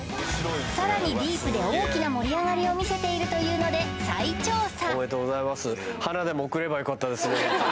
さらにディープで大きな盛り上がりを見せているというので再調査